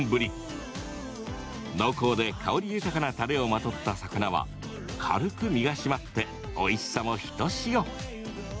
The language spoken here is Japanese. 濃厚で香り豊かなたれをまとった魚は軽く身が締まっておいしさも、ひとしお。